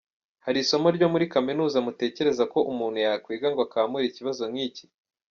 Hari isomo ryo muri kaminuza mutekereza ko umuntu yakwiga ngo akamure ikibazo nk’iki?”.